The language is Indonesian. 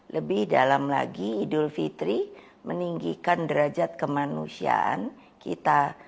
lebih dalam lagi idul fitri meninggikan derajat kemanusiaan kita